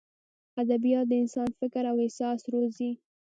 ادبیات د انسان فکر او احساس روزي.